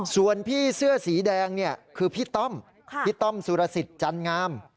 ส่วนพี่เสื้อสีแดงเนี่ยคือพี่ต้อมพี่ต้อมสุรสิทธิ์จันงาม